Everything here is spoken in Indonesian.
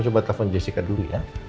coba telepon jessica dulu ya